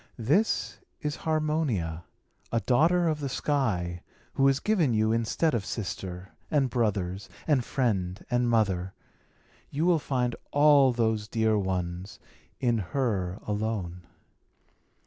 This is Harmonia, a daughter of the sky, who is given you instead of sister, and brothers, and friend, and mother. You will find all those dear ones in her alone."